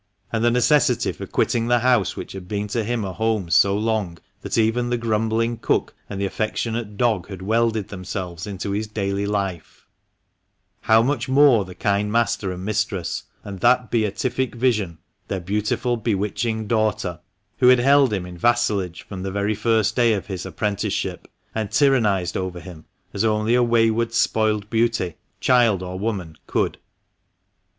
253 and the necessity for quitting the house which had been to him a home so long that even the grumbling cook and the affectionate dog had welded themselves into his daily life, how much more the kind master and mistress, and that beatific vision, their beautiful, bewitching daughter, who had held him in vassalage from the very day of his apprenticeship, and tyrannised over him as only a wayward, spoiled beauty — child or woman — could.